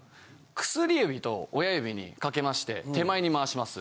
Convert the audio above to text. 薬指と親指にかけまして手前に回します。